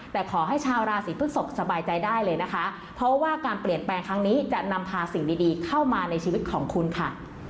แต่ขอให้ชาวราศีพฤกษกสบายใจได้เลยนะคะเพราะว่าการเปลี่ยนแปลงครั้งนี้จะนำพาสิ่งดีเข้ามาในชีวิตของคุณค่ะ